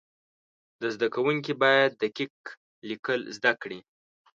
زده کوونکي باید دقیق لیکل زده کړي.